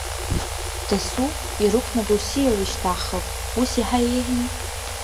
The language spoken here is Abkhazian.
Дасу ирықәнагоу сиала ишьҭаҳхып, ус иаҳа иеиӷьми?